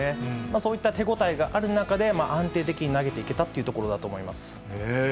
そういった手応えがある中で、安定的に投げていけたっていうところだと思います。